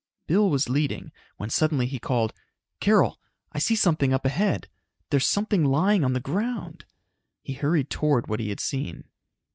Bill was leading, when suddenly he called, "Carol, I see something up ahead! There's something lying on the ground!" He hurried toward what he had seen.